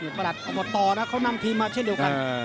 ประหลัดอบตนะเขานำทีมมาเช่นเดียวกัน